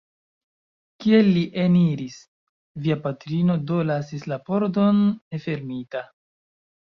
Kiel li eniris? Via patrino do lasis la pordon nefermita?